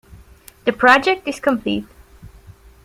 The project is complete.